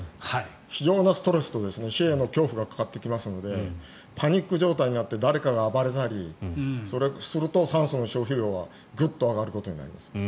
非常なストレスと死への恐怖がかかってくるのでパニック状態になって誰かが暴れたりすると酸素の消費量はグッと上がることになります。